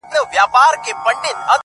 ته ډېوه را واخله ماتې هم راکه,